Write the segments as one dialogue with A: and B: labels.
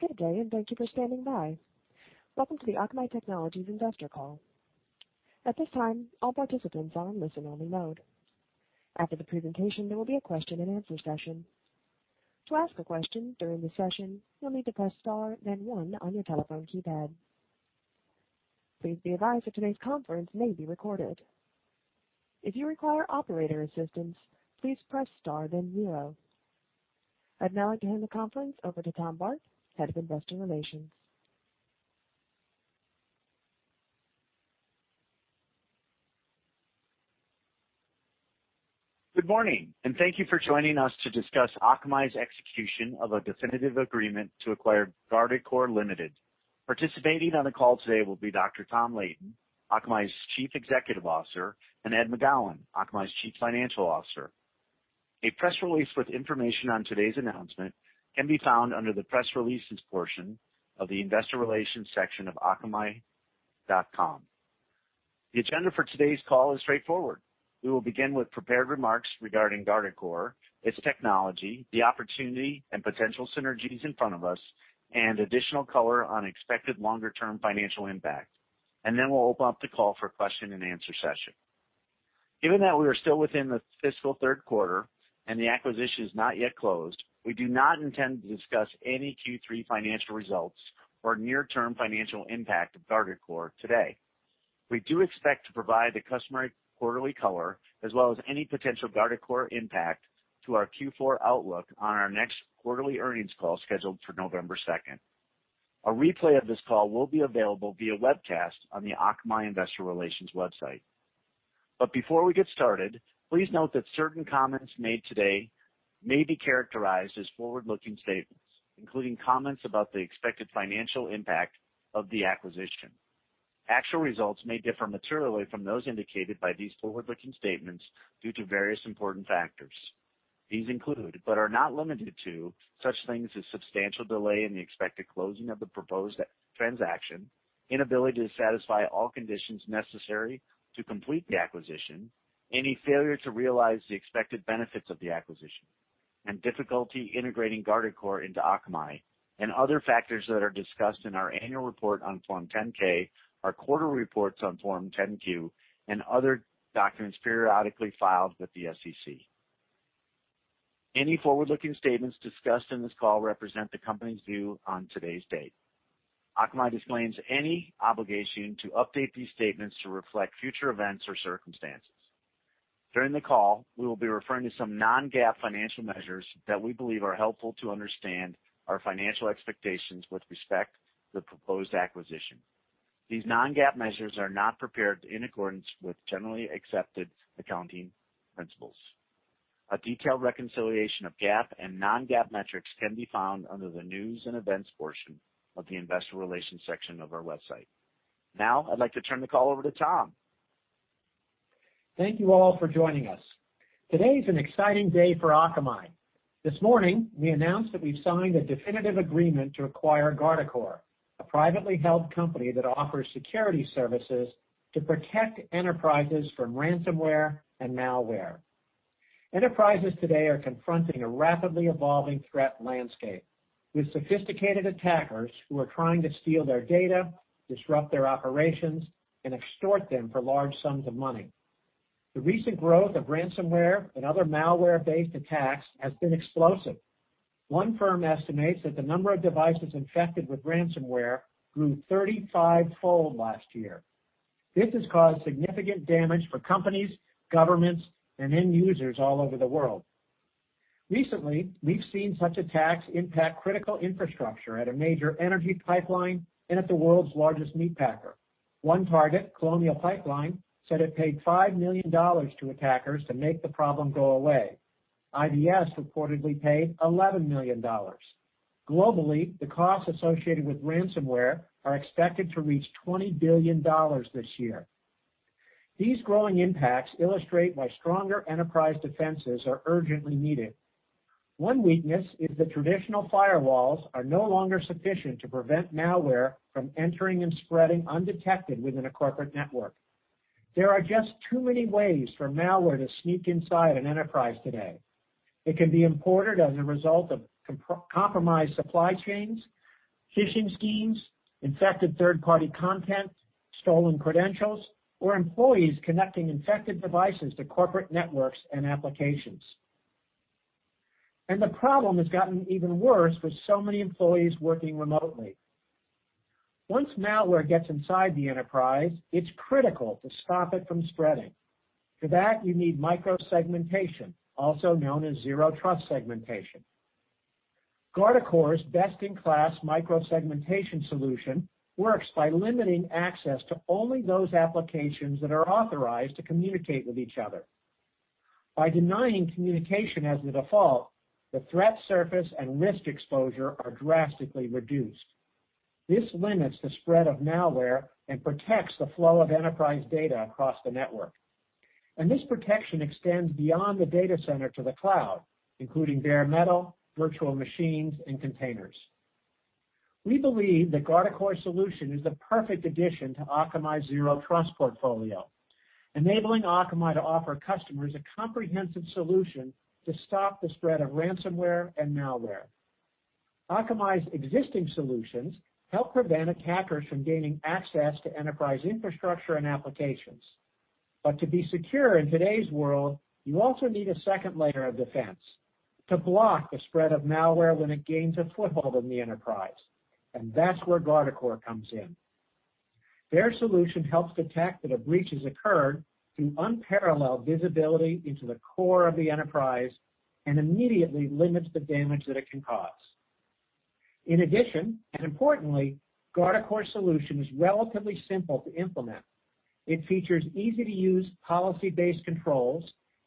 A: Good day, and thank you for standing by. Welcome to the Akamai Technologies investor call. At this time, all participants are in listen-only mode. After the presentation, there will be a question-and-answer session. To ask a question during the session, you'll need to press star one on your telephone keypad. Please be advised that today's conference may be recorded. If you require operator assistance, please press star zero. I'd now like to hand the conference over to Tom Barth, Head of Investor Relations.
B: Good morning, and thank you for joining us to discuss Akamai's execution of a definitive agreement to acquire Guardicore Limited. Participating on the call today will be Dr. Tom Leighton, Akamai's Chief Executive Officer, and Ed McGowan, Akamai's Chief Financial Officer. A press release with information on today's announcement can be found under the Press Releases portion of the Investor Relations section of akamai.com. The agenda for today's call is straightforward. We will begin with prepared remarks regarding Guardicore, its technology, the opportunity and potential synergies in front of us, and additional color on expected longer-term financial impact. Then we'll open up the call for a question-and-answer session. Given that we are still within the fiscal third quarter and the acquisition is not yet closed, we do not intend to discuss any Q3 financial results or near-term financial impact of Guardicore today. We do expect to provide the customary quarterly color, as well as any potential Guardicore impact to our Q4 outlook on our next quarterly earnings call scheduled for November 2nd, 2021. A replay of this call will be available via webcast on the Akamai Investor Relations website. Before we get started, please note that certain comments made today may be characterized as forward-looking statements, including comments about the expected financial impact of the acquisition. Actual results may differ materially from those indicated by these forward-looking statements due to various important factors. These include, but are not limited to, such things as substantial delay in the expected closing of the proposed transaction, inability to satisfy all conditions necessary to complete the acquisition, any failure to realize the expected benefits of the acquisition, and difficulty integrating Guardicore into Akamai, and other factors that are discussed in our annual report on Form 10-K, our quarter reports on Form 10-Q, and other documents periodically filed with the SEC. Any forward-looking statements discussed in this call represent the company's view on today's date. Akamai disclaims any obligation to update these statements to reflect future events or circumstances. During the call, we will be referring to some non-GAAP financial measures that we believe are helpful to understand our financial expectations with respect to the proposed acquisition. These non-GAAP measures are not prepared in accordance with generally accepted accounting principles. A detailed reconciliation of GAAP and non-GAAP metrics can be found under the News & Events portion of the Investor Relations section of our website. I'd like to turn the call over to Tom.
C: Thank you all for joining us. Today is an exciting day for Akamai. This morning, we announced that we've signed a definitive agreement to acquire Guardicore, a privately held company that offers security services to protect enterprises from ransomware and malware. Enterprises today are confronting a rapidly evolving threat landscape with sophisticated attackers who are trying to steal their data, disrupt their operations, and extort them for large sums of money. The recent growth of ransomware and other malware-based attacks has been explosive. One firm estimates that the number of devices infected with ransomware grew 35-fold last year. This has caused significant damage for companies, governments, and end users all over the world. Recently, we've seen such attacks impact critical infrastructure at a major energy pipeline and at the world's largest meat packer. One target, Colonial Pipeline, said it paid $5 million to attackers to make the problem go away. JBS reportedly paid $11 million. Globally, the costs associated with ransomware are expected to reach $20 billion this year. These growing impacts illustrate why stronger enterprise defenses are urgently needed. One weakness is that traditional firewalls are no longer sufficient to prevent malware from entering and spreading undetected within a corporate network. There are just too many ways for malware to sneak inside an enterprise today. It can be imported as a result of compromised supply chains, phishing schemes, infected third-party content, stolen credentials, or employees connecting infected devices to corporate networks and applications. The problem has gotten even worse with so many employees working remotely. Once malware gets inside the enterprise, it's critical to stop it from spreading. For that, you need micro-segmentation, also known as Zero Trust segmentation. Guardicore's best-in-class micro-segmentation solution works by limiting access to only those applications that are authorized to communicate with each other. By denying communication as the default, the threat surface and risk exposure are drastically reduced. This limits the spread of malware and protects the flow of enterprise data across the network. This protection extends beyond the data center to the cloud, including bare metal, virtual machines, and containers. We believe that Guardicore solution is the perfect addition to Akamai's Zero Trust portfolio, enabling Akamai to offer customers a comprehensive solution to stop the spread of ransomware and malware. Akamai's existing solutions help prevent attackers from gaining access to enterprise infrastructure and applications. To be secure in today's world, you also need a second layer of defense to block the spread of malware when it gains a foothold in the enterprise, and that's where Guardicore comes in. Their solution helps detect that a breach has occurred through unparalleled visibility into the core of the enterprise and immediately limits the damage that it can cause. Importantly, Guardicore solution is relatively simple to implement. It features easy-to-use policy-based controls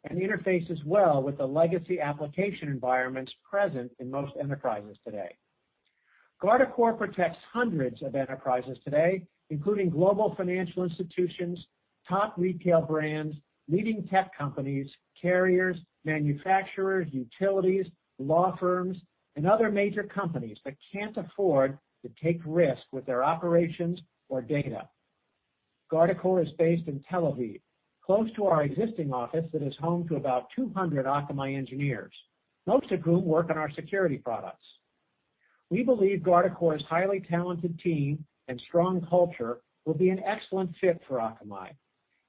C: and interfaces well with the legacy application environments present in most enterprises today. Guardicore protects hundreds of enterprises today, including global financial institutions, top retail brands, leading tech companies, carriers, manufacturers, utilities, law firms, and other major companies that can't afford to take risks with their operations or data. Guardicore is based in Tel Aviv, close to our existing office that is home to about 200 Akamai engineers, most of whom work on our security products. We believe Guardicore's highly talented team and strong culture will be an excellent fit for Akamai,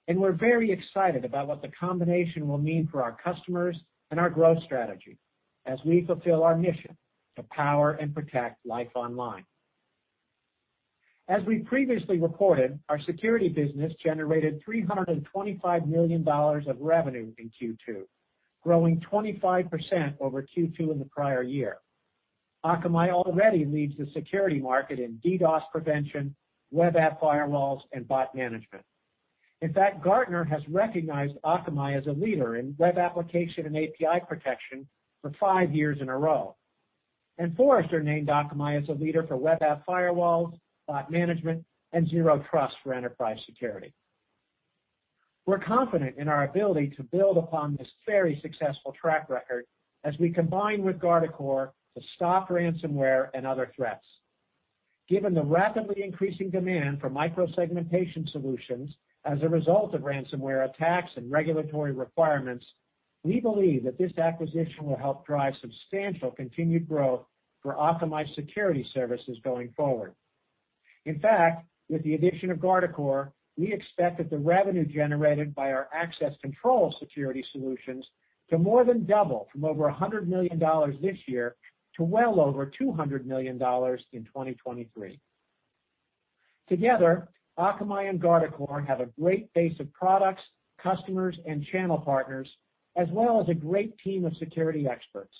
C: and we're very excited about what the combination will mean for our customers and our growth strategy as we fulfill our mission to power and protect life online. As we previously reported, our security business generated $325 million of revenue in Q2, growing 25% over Q2 in the prior year. Akamai already leads the security market in DDoS prevention, web app firewalls, and bot management. In fact, Gartner has recognized Akamai as a leader in web application and API protection for five years in a row, and Forrester named Akamai as a leader for web app firewalls, bot management, and Zero Trust for enterprise security. We're confident in our ability to build upon this very successful track record as we combine with Guardicore to stop ransomware and other threats. Given the rapidly increasing demand for micro-segmentation solutions as a result of ransomware attacks and regulatory requirements, we believe that this acquisition will help drive substantial continued growth for optimized security services going forward. In fact, with the addition of Guardicore, we expect that the revenue generated by our access control security solutions to more than double from over $100 million this year to well over $200 million in 2023. Together, Akamai and Guardicore have a great base of products, customers, and channel partners, as well as a great team of security experts.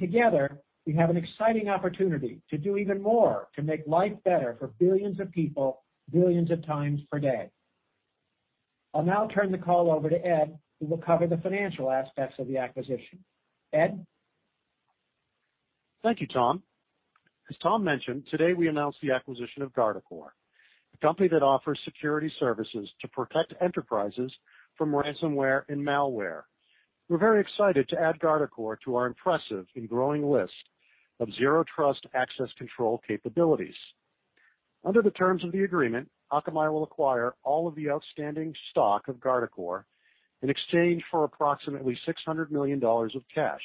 C: Together, we have an exciting opportunity to do even more to make life better for billions of people, billions of times per day. I'll now turn the call over to Ed, who will cover the financial aspects of the acquisition. Ed?
D: Thank you, Tom. As Tom mentioned, today we announced the acquisition of Guardicore, a company that offers security services to protect enterprises from ransomware and malware. We're very excited to add Guardicore to our impressive and growing list of Zero Trust access control capabilities. Under the terms of the agreement, Akamai will acquire all of the outstanding stock of Guardicore in exchange for approximately $600 million of cash.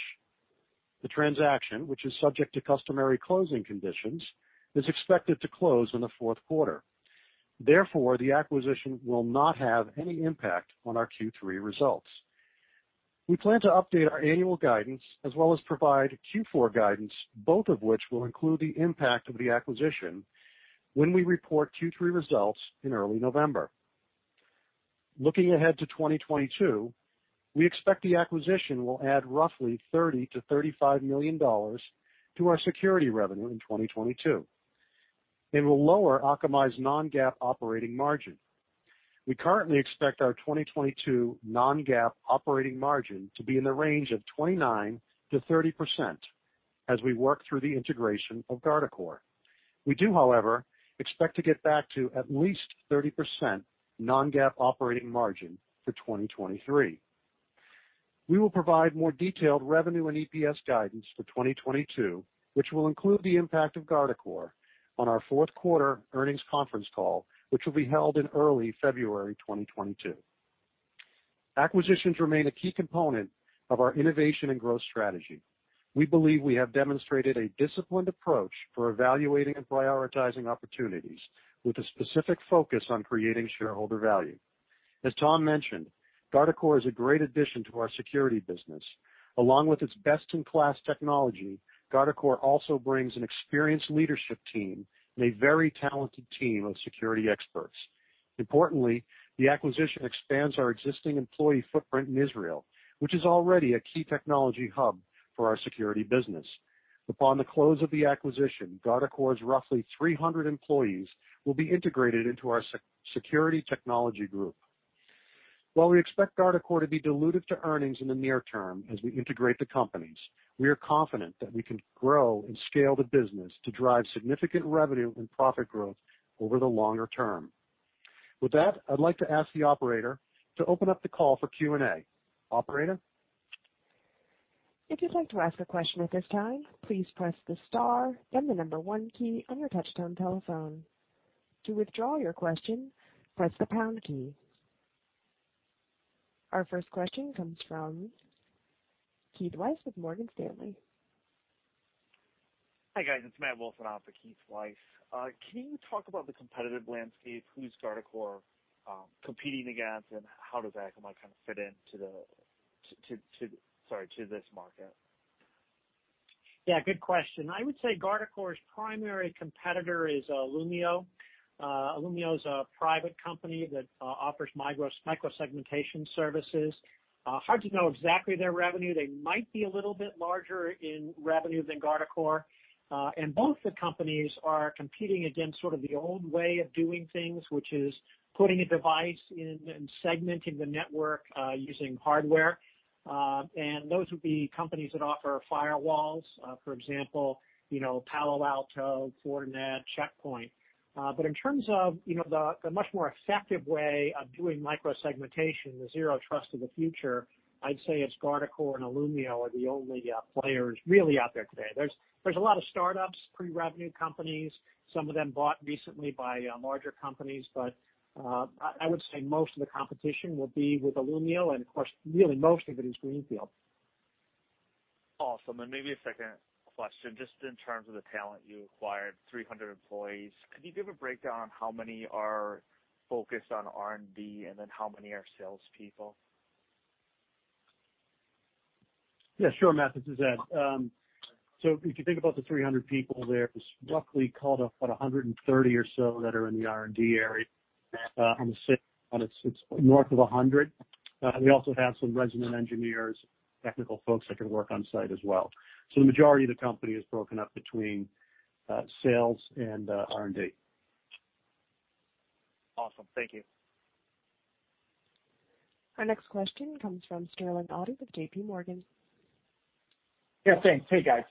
D: The transaction, which is subject to customary closing conditions, is expected to close in the fourth quarter. The acquisition will not have any impact on our Q3 results. We plan to update our annual guidance as well as provide Q4 guidance, both of which will include the impact of the acquisition when we report Q3 results in early November. Looking ahead to 2022, we expect the acquisition will add roughly $30 million-$35 million to our security revenue in 2022. It will lower Akamai's non-GAAP operating margin. We currently expect our 2022 non-GAAP operating margin to be in the range of 29%-30% as we work through the integration of Guardicore. We do, however, expect to get back to at least 30% non-GAAP operating margin for 2023. We will provide more detailed revenue and EPS guidance for 2022, which will include the impact of Guardicore on our fourth quarter earnings conference call, which will be held in early February 2022. Acquisitions remain a key component of our innovation and growth strategy. We believe we have demonstrated a disciplined approach for evaluating and prioritizing opportunities with a specific focus on creating shareholder value. As Tom mentioned, Guardicore is a great addition to our security business. Along with its best-in-class technology, Guardicore also brings an experienced leadership team and a very talented team of security experts. Importantly, the acquisition expands our existing employee footprint in Israel, which is already a key technology hub for our security business. Upon the close of the acquisition, Guardicore's roughly 300 employees will be integrated into our security technology group. While we expect Guardicore to be dilutive to earnings in the near term as we integrate the companies, we are confident that we can grow and scale the business to drive significant revenue and profit growth over the longer term. With that, I'd like to ask the operator to open up the call for Q&A. Operator?
A: If you would, like to ask a question at this time, please press the star and the number one key in your touchtone phone. Our first question comes from Keith Weiss with Morgan Stanley.
E: Hi, guys. It's Matt Wilson on for Keith Weiss. Can you talk about the competitive landscape, who's Guardicore competing against, and how does Akamai fit into this market?
C: Yeah, good question. I would say Guardicore's primary competitor is Illumio. Illumio is a private company that offers micro-segmentation services. Hard to know exactly their revenue. They might be a little bit larger in revenue than Guardicore. Both the companies are competing against sort of the old way of doing things, which is putting a device in and segmenting the network, using hardware. Those would be companies that offer firewalls, for example, Palo Alto, Fortinet, Check Point. In terms of the much more effective way of doing micro-segmentation, the Zero Trust of the future, I'd say it's Guardicore and Illumio are the only players really out there today. There's a lot of startups, pre-revenue companies, some of them bought recently by larger companies, but I would say most of the competition will be with Illumio and of course, really most of it is greenfield.
E: Awesome. Maybe a second question, just in terms of the talent, you acquired 300 employees. Could you give a breakdown on how many are focused on R&D and then how many are salespeople?
D: Yeah, sure, Matt, this is Ed. If you think about the 300 people there, it's roughly about 130 or so that are in the R&D area. On the sales side, it's north of 100. We also have some resident engineers, technical folks that can work on-site as well. The majority of the company is broken up between sales and R&D.
E: Awesome. Thank you.
A: Our next question comes from Sterling Auty with JP Morgan.
F: Yeah, thanks. Hey guys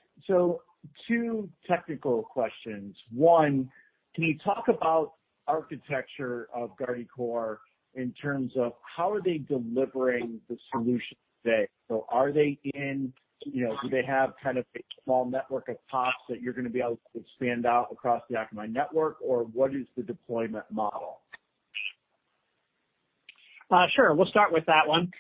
F: two technical questions. One, can you talk about architecture of Guardicore in terms of how are they delivering the solution today? Do they have kind of a small network of POPs that you're going to be able to expand out across the Akamai network, or what is the deployment model?
C: Sure. We'll start with that one.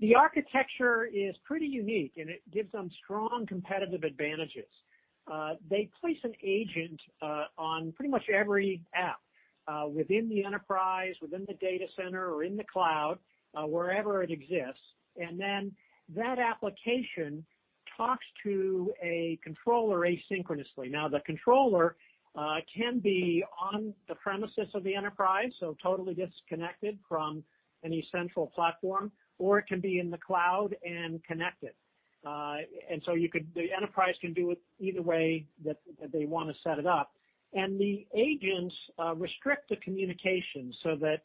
C: The architecture is pretty unique, and it gives them strong competitive advantages. They place an agent on pretty much every app, within the enterprise, within the data center or in the cloud, wherever it exists. That application talks to a controller asynchronously. Now, the controller can be on the premises of the enterprise, so totally disconnected from any central platform, or it can be in the cloud and connected. The enterprise can do it either way that they want to set it up. The agents restrict the communication so that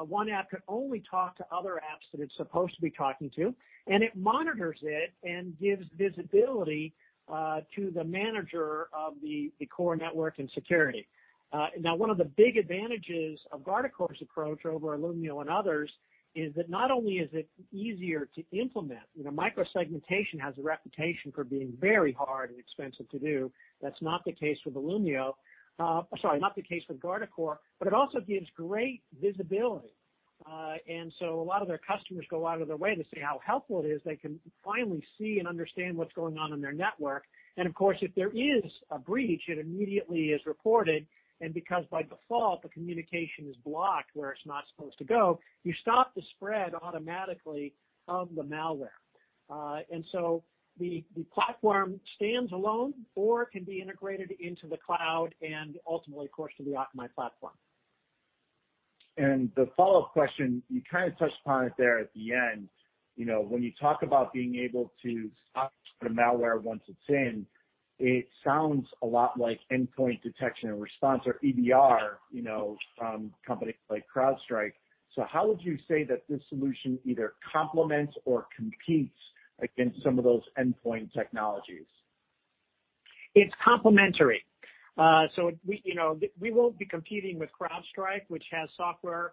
C: one app can only talk to other apps that it's supposed to be talking to, and it monitors it and gives visibility to the manager of the core network and security. Now, one of the big advantages of Guardicore's approach over Illumio and others is that not only is it easier to implement, micro-segmentation has a reputation for being very hard and expensive to do. That's not the case with Illumio. Sorry, not the case with Guardicore, but it also gives great visibility. A lot of their customers go out of their way to say how helpful it is they can finally see and understand what's going on in their network. Of course, if there is a breach, it immediately is reported. Because by default, the communication is blocked where it's not supposed to go, you stop the spread automatically of the malware. The platform stands alone or can be integrated into the cloud and ultimately, of course, to the Akamai platform.
F: The follow-up question, you kind of touched upon it there at the end. When you talk about being able to stop the malware once it's in, it sounds a lot like endpoint detection and response or EDR, from companies like CrowdStrike. How would you say that this solution either complements or competes against some of those endpoint technologies?
C: It's complementary. We won't be competing with CrowdStrike, which has software,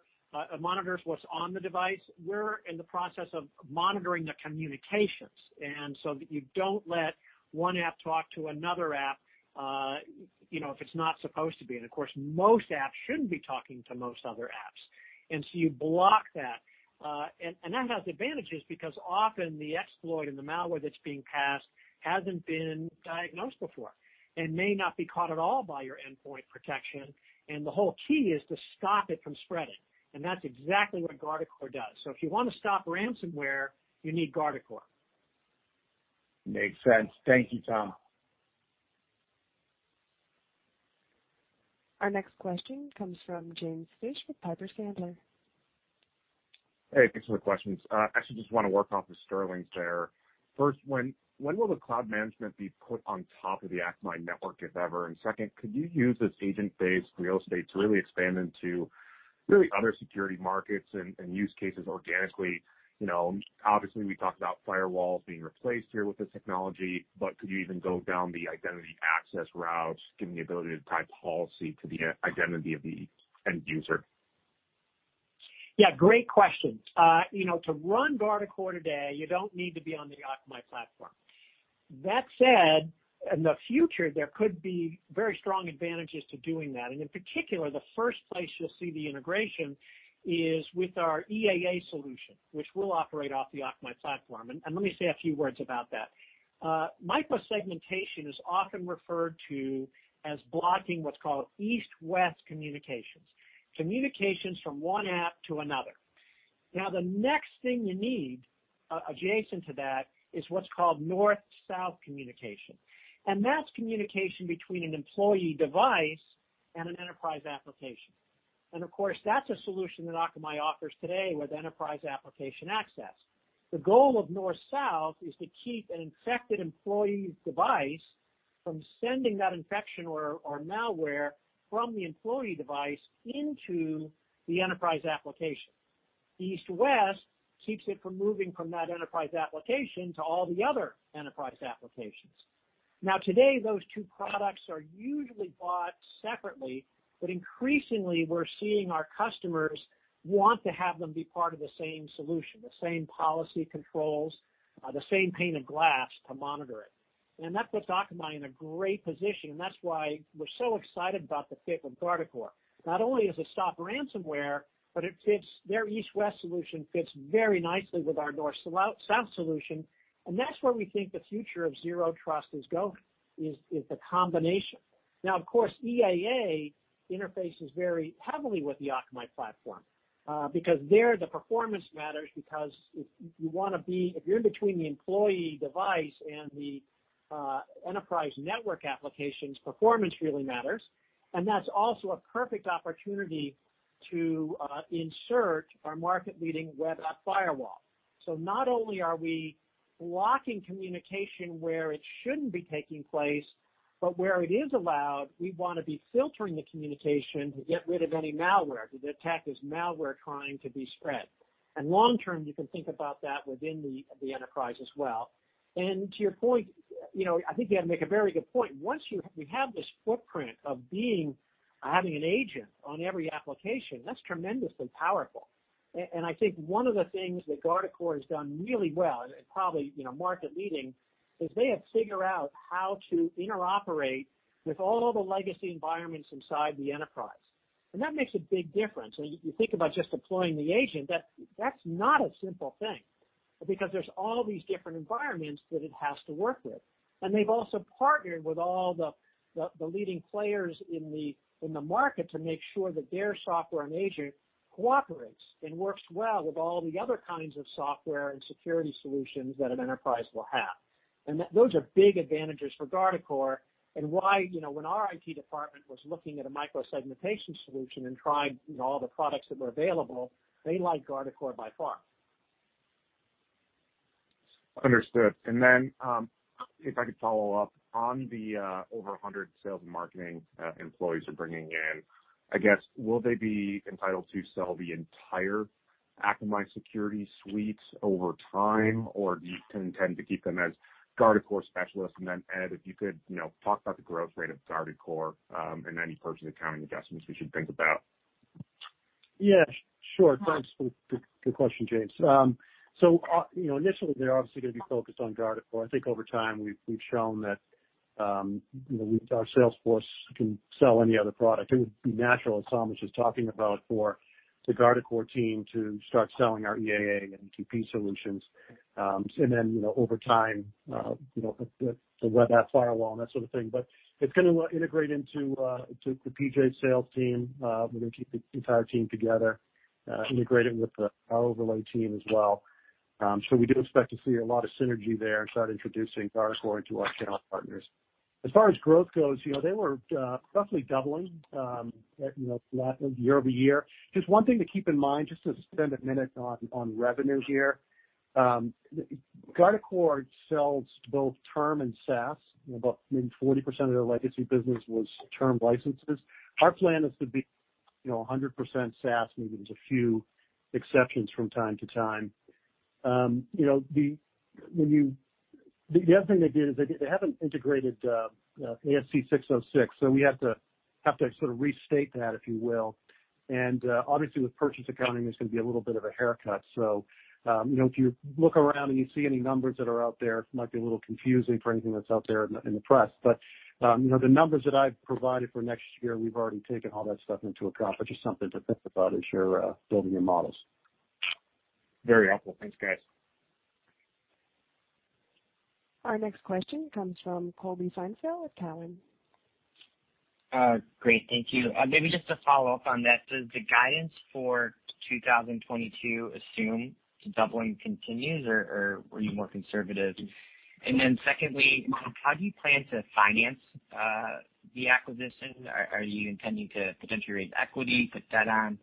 C: monitors what's on the device. We're in the process of monitoring the communications, that you don't let one app talk to another app if it's not supposed to be. Of course, most apps shouldn't be talking to most other apps. You block that. That has advantages because often the exploit and the malware that's being passed hasn't been diagnosed before and may not be caught at all by your endpoint protection. The whole key is to stop it from spreading. That's exactly what Guardicore does. If you want to stop ransomware, you need Guardicore.
F: Makes sense. Thank you, Tom.
A: Our next question comes from James Fish with Piper Sandler.
G: Hey, thanks for the questions. I actually just want to work off of Sterling's there. First, when will the cloud management be put on top of the Akamai network, if ever? Second, could you use this agent-based real estate to really expand into really other security markets and use cases organically? Obviously, we talked about firewalls being replaced here with this technology, but could you even go down the identity access route, giving the ability to tie policy to the identity of the end user?
C: Yeah, great question. To run Guardicore today, you don't need to be on the Akamai platform. That said, in the future, there could be very strong advantages to doing that. In particular, the first place you will see the integration is with our EAA solution, which will operate off the Akamai platform. Let me say a few words about that. Micro-segmentation is often referred to as blocking what's called east-west communications from one app to another. Now, the next thing you need, adjacent to that, is what's called north-south communication. That's communication between an employee device and an enterprise application. Of course, that's a solution that Akamai offers today with Enterprise Application Access. The goal of north-south is to keep an infected employee's device from sending that infection or malware from the employee device into the enterprise application. The east-west keeps it from moving from that enterprise application to all the other enterprise applications. Today, those two products are usually bought separately, but increasingly we're seeing our customers want to have them be part of the same solution, the same policy controls, the same pane of glass to monitor it. That puts Akamai in a great position, and that's why we're so excited about the fit with Guardicore. Not only is it stop ransomware, but their east-west solution fits very nicely with our north-south solution, and that's where we think the future of Zero Trust is going, is the combination. Of course, EAA interfaces very heavily with the Akamai platform. There the performance matters because if you're in between the employee device and the enterprise network applications, performance really matters. That's also a perfect opportunity to insert our market-leading web app firewall. Not only are we blocking communication where it shouldn't be taking place, but where it is allowed, we want to be filtering the communication to get rid of any malware, the attack is malware trying to be spread. Long-term, you can think about that within the enterprise as well. To your point, I think you make a very good point. Once you have this footprint of having an agent on every application, that's tremendously powerful. I think one of the things that Guardicore has done really well, and probably market-leading, is they have figured out how to interoperate with all the legacy environments inside the enterprise. That makes a big difference. When you think about just deploying the agent, that's not a simple thing, because there's all these different environments that it has to work with. They've also partnered with all the leading players in the market to make sure that their software and agent cooperates and works well with all the other kinds of software and security solutions that an enterprise will have. Those are big advantages for Guardicore and why, when our IT department was looking at a micro-segmentation solution and trying all the products that were available, they liked Guardicore by far.
G: Understood. If I could follow up on the over 100 sales and marketing employees you're bringing in, I guess, will they be entitled to sell the entire Akamai security suite over time, or do you intend to keep them as Guardicore specialists? Ed, if you could talk about the growth rate of Guardicore, and any purchase accounting adjustments we should think about.
D: Yeah, sure. Thanks for the question, James. Initially, they're obviously going to be focused on Guardicore. I think over time, we've shown that our sales force can sell any other product. It would be natural, as Tom was just talking about, for the Guardicore team to start selling our EAA and ETP solutions. Over time, the web app firewall and that sort of thing. It's going to integrate into the PJ sales team. We're going to keep the entire team together, integrate it with our overlay team as well. We do expect to see a lot of synergy there and start introducing Guardicore to our channel partners. As far as growth goes, they were roughly doubling year-over-year. Just one thing to keep in mind, just to spend a minute on revenue here. Guardicore sells both term and SaaS. About maybe 40% of their legacy business was term licenses. Our plan is to be 100% SaaS, maybe there's a few exceptions from time to time. The other thing they did is they haven't integrated ASC 606, so we have to sort of restate that, if you will. Obviously with purchase accounting, there's going to be a little bit of a haircut. If you look around and you see any numbers that are out there, it might be a little confusing for anything that's out there in the press. The numbers that I've provided for next year, we've already taken all that stuff into account, but just something to think about as you're building your models.
G: Very helpful. Thanks, guys.
A: Our next question comes from Colby Synesael with Cowen.
H: Great. Thank you. Maybe just to follow up on that. Does the guidance for 2022 assume the doubling continues, or were you more conservative? Secondly, how do you plan to finance the acquisition? Are you intending to potentially raise equity, put debt on,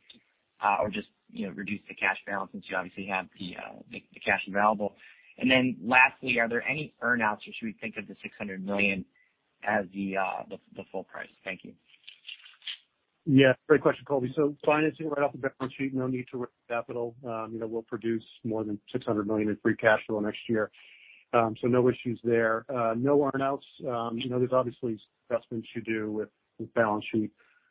H: or just reduce the cash balance, since you obviously have the cash available? Lastly, are there any earn-outs, or should we think of the $600 million as the full price? Thank you.
D: Yeah, great question, Colby. Financing right off the balance sheet, no need to raise capital. We'll produce more than $600 million in free cash flow next year. So no issues there. No earn-outs. There's obviously adjustments you do with the balance sheet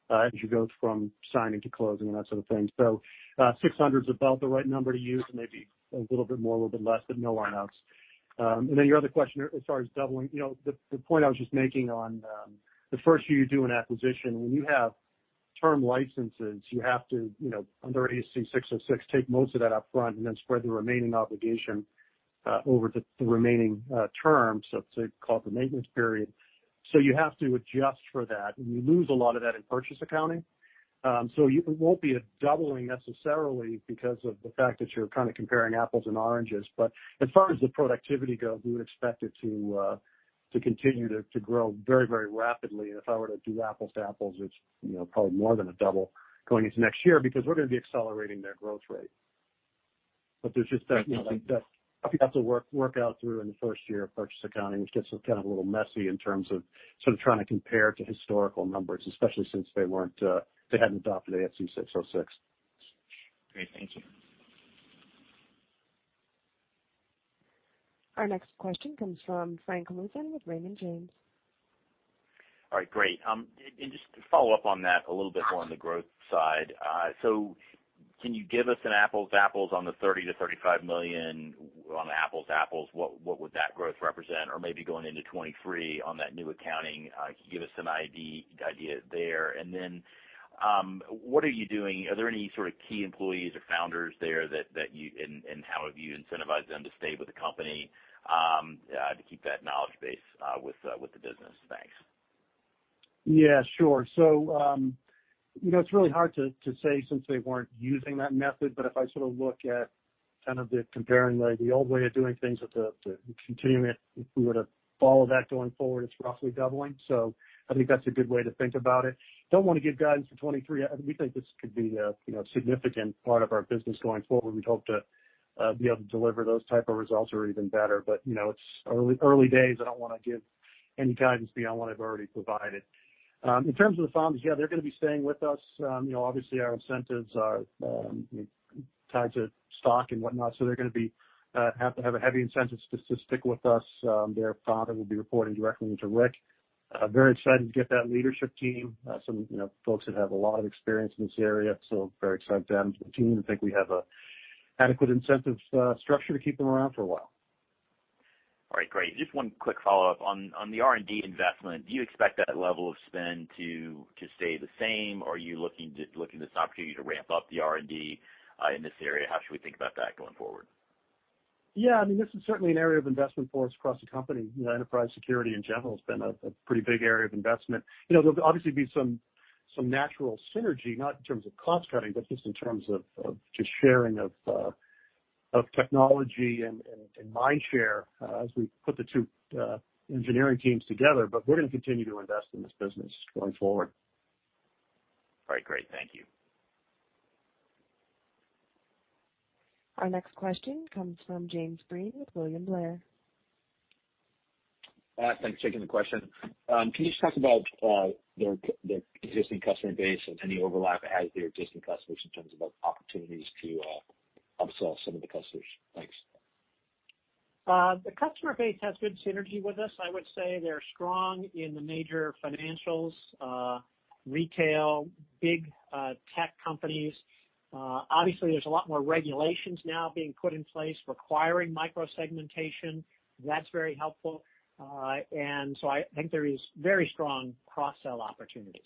D: as you go from signing to closing and that sort of thing. 600's about the right number to use, maybe a little bit more, a little bit less, but no earn-outs. Your other question, as far as doubling. The point I was just making on the first year you do an acquisition, when you have term licenses, you have to, under ASC 606, take most of that up front and then spread the remaining obligation over the remaining terms, so to call it the maintenance period. You have to adjust for that, and you lose a lot of that in purchase accounting. It won't be a doubling necessarily because of the fact that you're kind of comparing apples and oranges. As far as the productivity goes, we would expect it to continue to grow very rapidly. If I were to do apples to apples, it's probably more than a double going into next year because we're going to be accelerating their growth rate.
H: Right. Thank you.
D: stuff you have to work out through in the first year of purchase accounting, which gets kind of a little messy in terms of sort of trying to compare to historical numbers, especially since they hadn't adopted ASC 606.
H: Great. Thank you.
A: Our next question comes from Frank Louthan with Raymond James.
I: All right, great. Just to follow up on that a little bit more on the growth side. Can you give us an apples to apples on the $30 million-$35 million on the apples to apples, what would that growth represent? Maybe going into 2023 on that new accounting, can you give us an idea there? What are you doing? Are there any sort of key employees or founders there, and how have you incentivized them to stay with the company to keep that knowledge base with the business? Thanks.
D: Sure. It's really hard to say since they weren't using that method. If I sort of look at kind of the comparing the old way of doing things with the continuing it, if we were to follow that going forward, it's roughly doubling. I think that's a good way to think about it. Don't want to give guidance for 2023. We think this could be a significant part of our business going forward. We'd hope to be able to deliver those type of results or even better. It's early days. I don't want to give any guidance beyond what I've already provided. In terms of the founders, yeah, they're going to be staying with us. Obviously our incentives are tied to stock and whatnot, so they have a heavy incentive to stick with us. Their founder will be reporting directly to Rick. Very excited to get that leadership team. Some folks that have a lot of experience in this area, so very excited to add them to the team, and think we have an adequate incentive structure to keep them around for a while.
I: All right, great. Just one quick follow-up on the R&D investment. Do you expect that level of spend to stay the same, or are you looking at this opportunity to ramp up the R&D in this area? How should we think about that going forward?
D: Yeah, this is certainly an area of investment for us across the company. Enterprise security in general has been a pretty big area of investment. There will obviously be some natural synergy, not in terms of cost cutting, but just in terms of just sharing of technology and mind share as we put the two engineering teams together. But we are going to continue to invest in this business going forward.
I: All right, great. Thank you.
A: Our next question comes from James Breen with William Blair.
J: Thanks for taking the question. Can you just talk about their existing customer base and any overlap it has with your existing customers in terms of opportunities to upsell some of the customers? Thanks.
C: The customer base has good synergy with us. I would say they're strong in the major financials, retail, big tech companies. Obviously there's a lot more regulations now being put in place requiring micro-segmentation. That's very helpful. I think there is very strong cross-sell opportunities.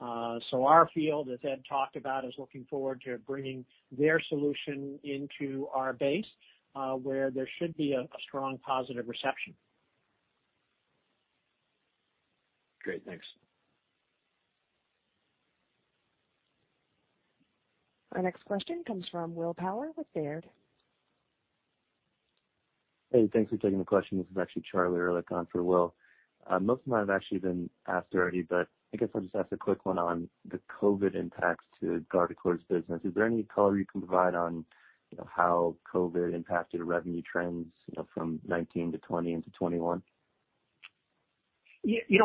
C: Our field, as Ed talked about, is looking forward to bringing their solution into our base, where there should be a strong positive reception.
J: Great. Thanks.
A: Our next question comes from William Power with Baird.
K: Hey, thanks for taking the question. This is actually Charlie Ehrlich on for Will. Most of mine have actually been asked already, I guess I'll just ask a quick one on the COVID impacts to Guardicore's business. Is there any color you can provide on how COVID impacted revenue trends from 2019 to 2020 into 2021?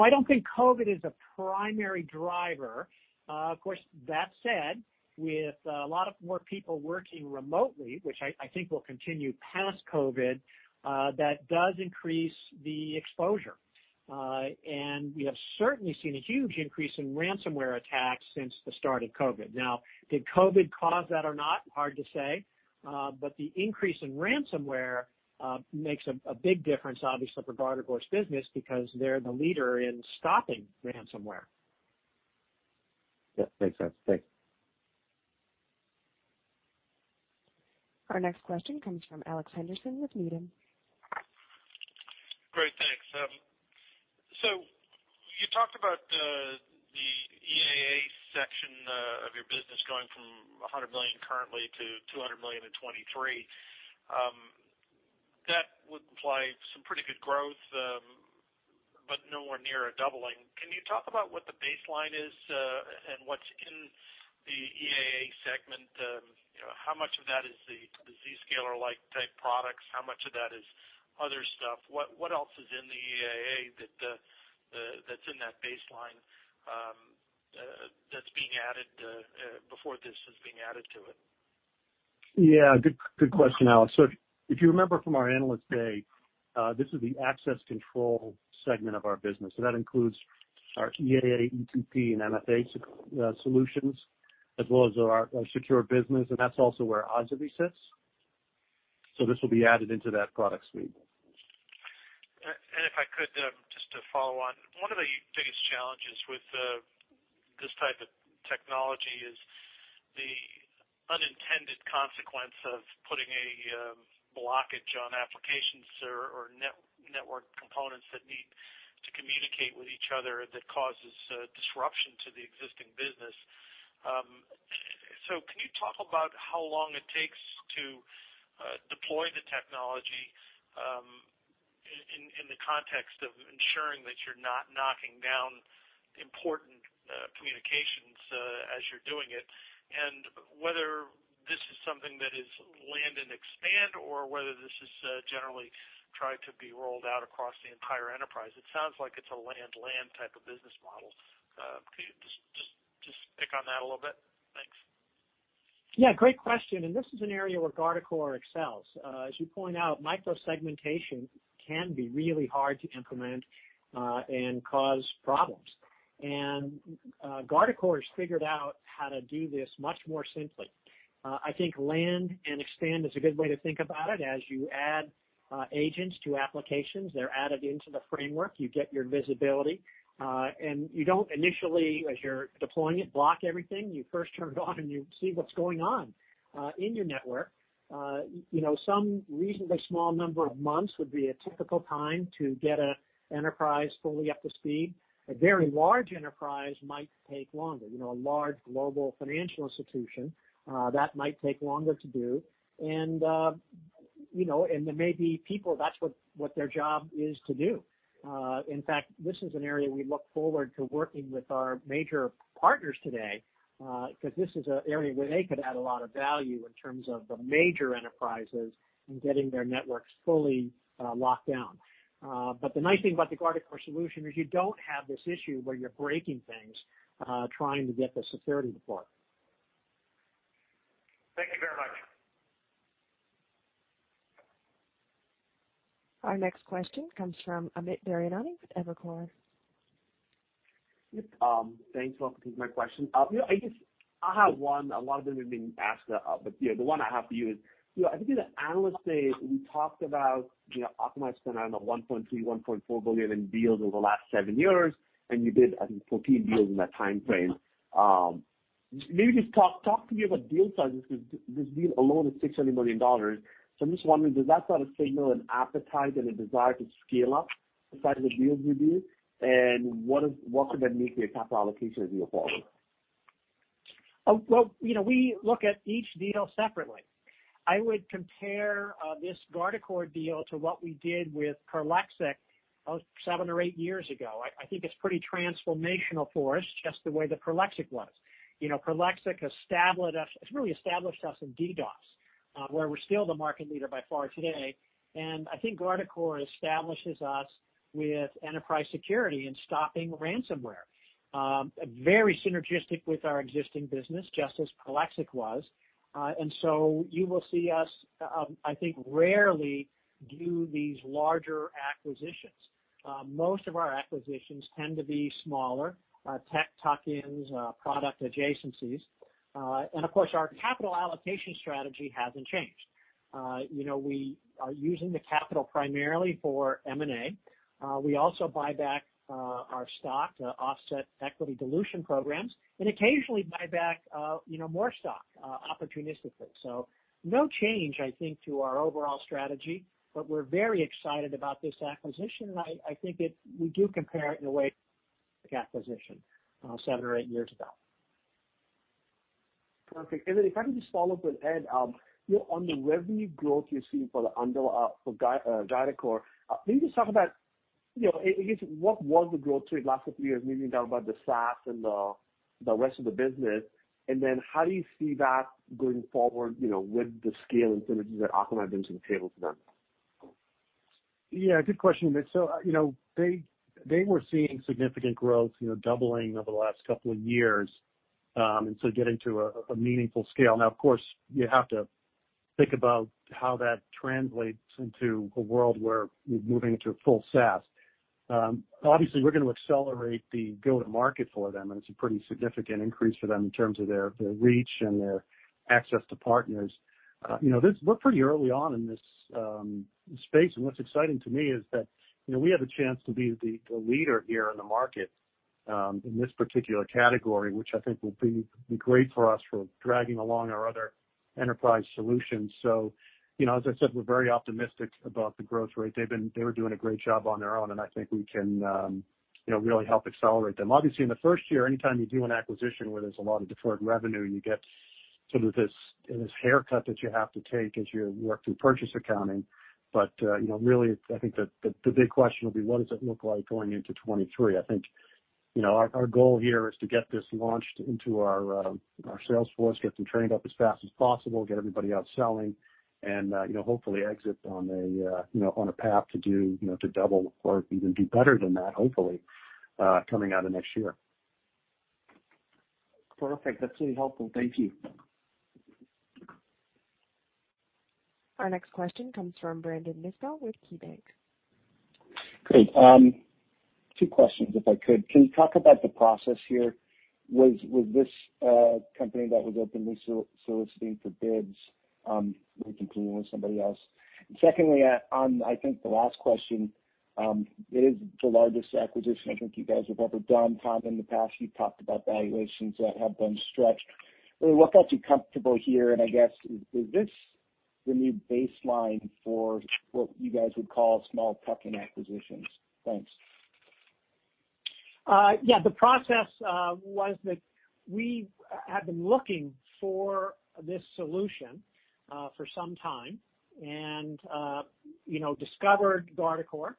C: I don't think COVID is a primary driver. Of course, that said, with a lot of more people working remotely, which I think will continue past COVID, that does increase the exposure. We have certainly seen a huge increase in ransomware attacks since the start of COVID. Did COVID cause that or not? Hard to say. The increase in ransomware makes a big difference, obviously, for Guardicore's business because they're the leader in stopping ransomware.
K: Yep, makes sense. Thanks.
A: Our next question comes from Alex Henderson with Needham.
L: Great, thanks. You talked about the EAA section of your business going from $100 million currently to $200 million in 2023. That would imply some pretty good growth but nowhere near a doubling. Can you talk about what the baseline is and what's in the EAA segment? How much of that is the Zscaler-like type products? How much of that is other stuff? What else is in the EAA that's in that baseline that's being added before this was being added to it?
D: Yeah. Good question, Alex. If you remember from our Analyst Day, this is the access control segment of our business. That includes our EAA, ETP, and MFA solutions as well as our secure business, and that's also where Asavie sits. This will be added into that product suite.
L: If I could, just to follow on, one of the biggest challenges with this type of technology is the unintended consequence of putting a blockage on applications or network components that need to communicate with each other that causes disruption to the existing business. Can you talk about how long it takes to deploy the technology, in the context of ensuring that you're not knocking down important communications as you're doing it, and whether this is something that is Land and Expand or whether this is generally tried to be rolled out across the entire enterprise? It sounds like it's a land-land type of business model. Can you just pick on that a little bit? Thanks.
C: Yeah, great question. This is an area where Guardicore excels. As you point out, micro-segmentation can be really hard to implement and cause problems. Guardicore has figured out how to do this much more simply. I think Land and Expand is a good way to think about it. As you add agents to applications, they're added into the framework, you get your visibility. You don't initially, as you're deploying it, block everything. You first turn it on, and you see what's going on in your network. Some reasonably small number of months would be a typical time to get an enterprise fully up to speed. A very large enterprise might take longer. A large global financial institution, that might take longer to do. There may be people, that's what their job is to do. In fact, this is an area we look forward to working with our major partners today, because this is an area where they could add a lot of value in terms of the major enterprises and getting their networks fully locked down. The nice thing about the Guardicore solution is you don't have this issue where you're breaking things trying to get the security deployed.
L: Thank you very much.
A: Our next question comes from Amit Daryanani with Evercore.
M: Yep. Thanks. Welcome to my question. I guess I have one. A lot of them have been asked, but the one I have for you is, I think in the Analyst Day, we talked about Akamai spent around the $1.3 billion-$1.4 billion in deals over the last seven years, and you did, I think, 14 deals in that timeframe. Maybe just talk to me about deal sizes because this deal alone is $670 million. I'm just wondering, does that sort of signal an appetite and a desire to scale up the size of the deals you do? What could that mean for your capital allocation as you go forward?
C: Well, we look at each deal separately. I would compare this Guardicore deal to what we did with Prolexic seven or eight years ago. I think it's pretty transformational for us, just the way that Prolexic was. Prolexic has really established us in DDoS, where we're still the market leader by far today. I think Guardicore establishes us with enterprise security and stopping ransomware. Very synergistic with our existing business, just as Prolexic was. You will see us, I think, rarely do these larger acquisitions. Most of our acquisitions tend to be smaller, tech tuck-ins, product adjacencies. Of course, our capital allocation strategy hasn't changed. We are using the capital primarily for M&A. We also buy back our stock to offset equity dilution programs and occasionally buy back more stock opportunistically. No change, I think, to our overall strategy, but we're very excited about this acquisition, and I think we do compare it in a way to the Prolexic acquisition seven or eight years ago.
M: Perfect. If I can just follow up with Ed. On the revenue growth you're seeing for Guardicore, maybe just talk about, I guess what was the growth rate the last two years, maybe you can talk about the SaaS and the rest of the business, and then how do you see that going forward, with the scale and synergies that Akamai brings to the table to them?
D: Yeah, good question, Amit Daryanani. They were seeing significant growth, doubling over the last two years, and getting to a meaningful scale. Now, of course, you have to think about how that translates into a world where you're moving into full SaaS. Obviously, we're going to accelerate the go-to-market for them, and it's a pretty significant increase for them in terms of their reach and their access to partners. We're pretty early on in this space, and what's exciting to me is that we have a chance to be the leader here in the market in this particular category, which I think will be great for us for dragging along our other enterprise solutions. As I said, we're very optimistic about the growth rate. They were doing a great job on their own, and I think we can really help accelerate them. Obviously, in the first year, anytime you do an acquisition where there's a lot of deferred revenue, you get sort of this haircut that you have to take as you work through purchase accounting. Really, I think the big question will be what does it look like going into 2023? I think our goal here is to get this launched into our sales force, get them trained up as fast as possible, get everybody out selling, and hopefully exit on a path to double or even do better than that, hopefully, coming out of next year.
M: Perfect. That's really helpful. Thank you.
A: Our next question comes from Brandon Nispel with KeyBanc.
N: Great. two questions, if I could. Can you talk about the process here? Was this company that was openly soliciting for bids, were they competing with somebody else? Secondly, on, I think the last question, it is the largest acquisition I think you guys have ever done. Tom, in the past, you've talked about valuations that have been stretched. Really, what got you comfortable here, and I guess, is this the new baseline for what you guys would call small tuck-in acquisitions? Thanks.
C: Yeah. The process was that we had been looking for this solution for some time and discovered Guardicore.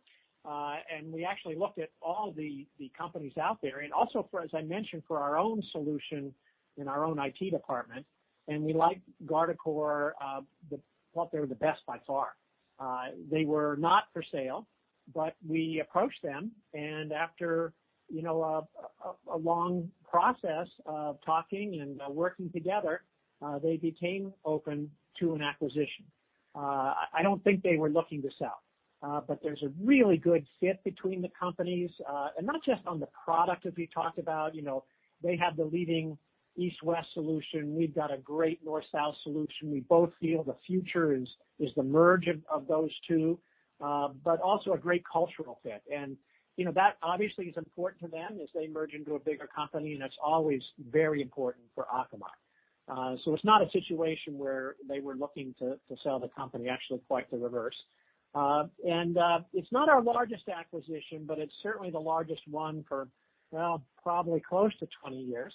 C: We actually looked at all the companies out there, and also, as I mentioned, for our own solution in our own IT department, and we liked Guardicore, thought they were the best by far. They were not for sale, but we approached them, and after a long process of talking and working together, they became open to an acquisition. I don't think they were looking to sell. There's a really good fit between the companies, and not just on the product that we talked about. They have the leading east-west solution. We've got a great north-south solution. We both feel the future is the merge of those two, but also a great cultural fit. That obviously is important to them as they merge into a bigger company, and that's always very important for Akamai. It's not a situation where they were looking to sell the company, actually quite the reverse. It's not our largest acquisition, but it's certainly the largest one for, well, probably close to 20 years.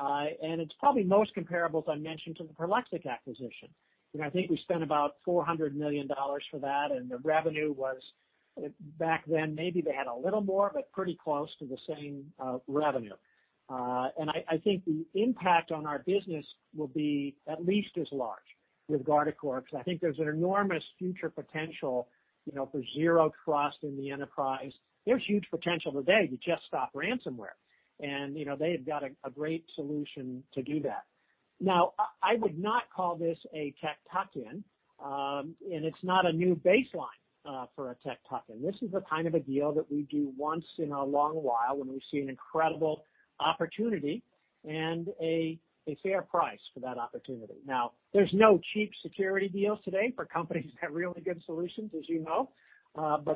C: It's probably most comparable, as I mentioned, to the Prolexic acquisition. I think we spent about $400 million for that, and the revenue was, back then, maybe they had a little more, but pretty close to the same revenue. I think the impact on our business will be at least as large with Guardicore. Because I think there's an enormous future potential for Zero Trust in the enterprise. There's huge potential today to just stop ransomware, and they have got a great solution to do that. Now, I would not call this a tech tuck-in, and it's not a new baseline for a tech tuck-in. This is a kind of a deal that we do once in a long while when we see an incredible opportunity and a fair price for that opportunity. Now, there's no cheap security deals today for companies that have really good solutions, as you know.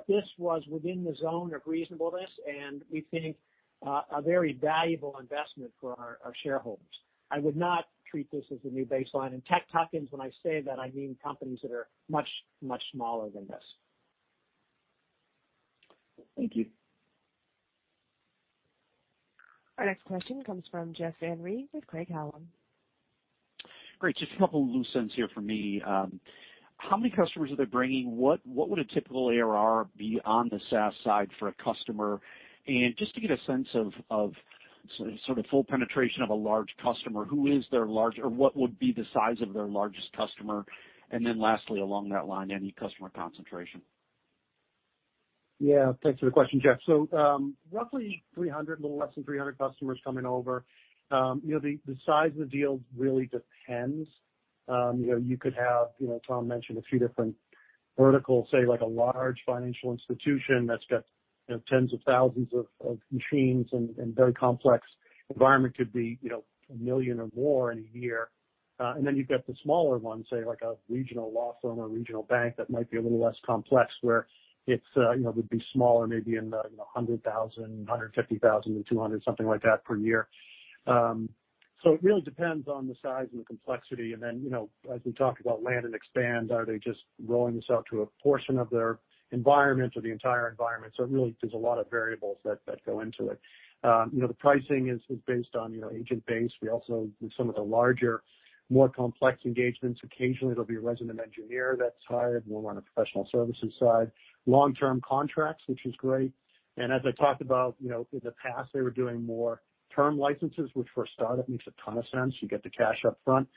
C: This was within the zone of reasonableness, and we think a very valuable investment for our shareholders. I would not treat this as a new baseline. In tech tuck-ins, when I say that, I mean companies that are much, much smaller than this.
N: Thank you.
A: Our next question comes from Jeff Van Rhee with Craig-Hallum.
O: Great. Just a couple of loose ends here from me. How many customers are they bringing? What would a typical ARR be on the SaaS side for a customer? Just to get a sense of sort of full penetration of a large customer, who is their or what would be the size of their largest customer? Lastly, along that line, any customer concentration?
D: Yeah. Thanks for the question, Jeff. Roughly 300, a little less than 300 customers coming over. The size of the deals really depends. You could have, Tom mentioned a few different verticals, say like a large financial institution that's got tens of thousands of machines and very complex environment, could be $1 million or more in a year. You've got the smaller ones, say like a regional law firm or regional bank that might be a little less complex where it would be smaller, maybe in the $100,000, $150,000 to $200,000, something like that per year. It really depends on the size and the complexity. As we talked about land and expand, are they just rolling this out to a portion of their environment or the entire environment? Really there's a lot of variables that go into it. The pricing is based on agent base. We also, with some of the larger, more complex engagements, occasionally there'll be a resident engineer that's hired, more on the professional services side. Long-term contracts, which is great. As I talked about, in the past, they were doing more term licenses, which for a startup makes a ton of sense. You get the cash up front.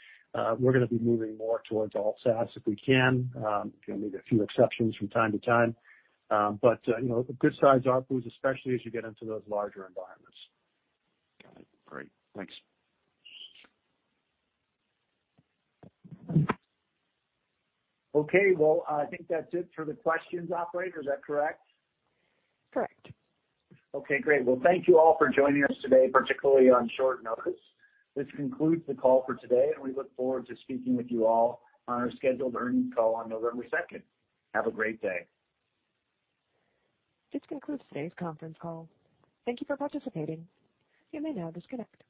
D: We're going to be moving more towards all SaaS if we can. There may be a few exceptions from time to time. Good size ARPU, especially as you get into those larger environments.
O: Got it. Great. Thanks.
C: Okay, well, I think that's it for the questions, operator. Is that correct?
A: Correct.
C: Okay, great. Well, thank you all for joining us today, particularly on short notice. This concludes the call for today, and we look forward to speaking with you all on our scheduled earnings call on November 2nd. Have a great day.
A: This concludes today's conference call. Thank you for participating. You may now disconnect.